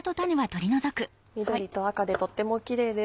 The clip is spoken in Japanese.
緑と赤でとてもキレイです。